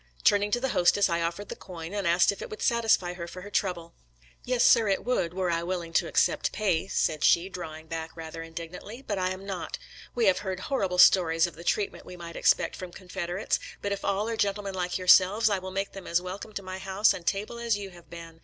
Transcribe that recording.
Turning to the hostess, I offered the coin and asked if it would satisfy her for her trouble. " Yes, sir, it would, were I willing to accept pay," said she, drawing back rather indignantly. " But I am not. We have heard 128 SOLDIER'S LETTERS TO CHARMING NELLIE horrible stories of the treatment we might ex pect from Confederates, but if all are gentlemen like yourselves, I will make them as welcome to my house and table as you have been.